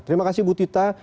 terima kasih ibu tita